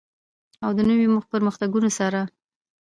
او د نویو پرمختګونو سره.